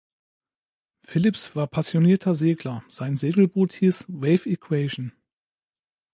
Phillips war passionierter Segler, sein Segelboot hieß „Wave equation“.